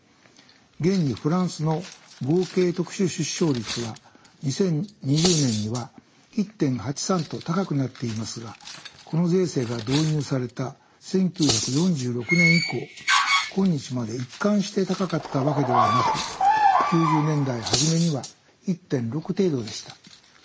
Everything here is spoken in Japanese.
現にフランスの合計特殊出生率は２０２０年には１．８３と高くなっていますがこの税制が導入された１９４６年以降今日まで一貫して高かったわけではなく９０年代初めには１．６程度でした。